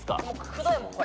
くどいもんこれ。